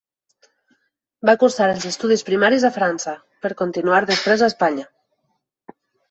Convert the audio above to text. Va cursar els estudis primaris a França, per continuar després a Espanya.